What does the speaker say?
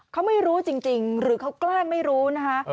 เขาไม่รู้จริงหรือเขาแกล้งไม่รู้นะคะ